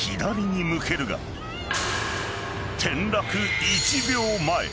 ［転落１秒前。